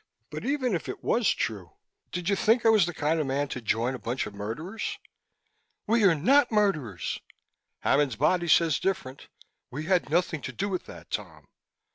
But even if it was true, did you think I was the kind of man to join a bunch of murderers?" "We are not murderers!" "Hammond's body says different." "We had nothing to do with that, Tom!"